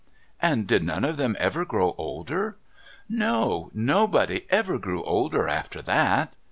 ' And did none of them ever grow older ?'' No ! Nobody ever grew older after that.'